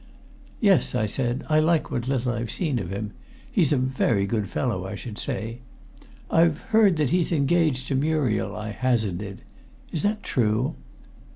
"Yes," I said, "I like what little I have seen of him. He's a very good fellow, I should say. I've heard that he's engaged to Muriel," I hazarded. "Is that true?"